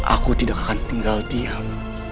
aku tidak akan tinggal diam